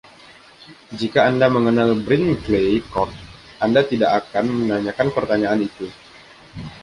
Jika Anda mengenal Brinkley Court, Anda tidak akan menanyakan pertanyaan itu.